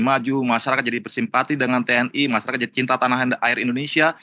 maju masyarakat jadi bersimpati dengan tni masyarakat cinta tanah air indonesia